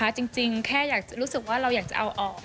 จริงแค่อยากจะรู้สึกว่าเราอยากจะเอาออก